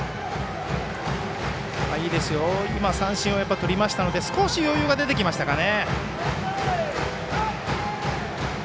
三振をとりましたので少し余裕が出てきましたかね。